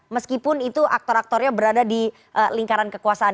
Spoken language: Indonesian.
meskipun itu aktor aktornya berada di lingkaran kekuasaan